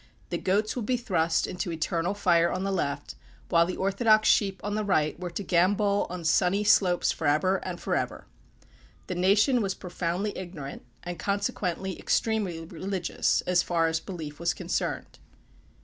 The goats would be thrust into eternal fire on the left, while the orthodox sheep on the right, were to gambol on sunny slopes forever and forever. The nation was profoundly ignorant, and consequently extremely religious, so far as belief was concerned.